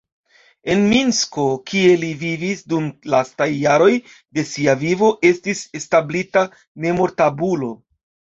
En Minsko, kie li vivis dum lastaj jaroj de sia vivo, estis establita memortabulo.